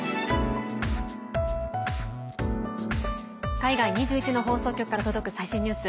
海外２１の放送局から届く最新ニュース。